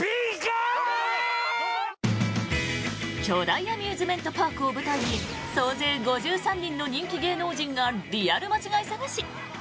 巨大アミューズメントパークを舞台に総勢５３人の人気芸能人がリアル間違い探し。